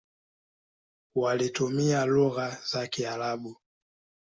Walitumia lugha za karibu.